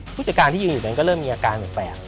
พจจักรที่อยู่อย่างนี้ก็เริ่มมีอาการสำแปด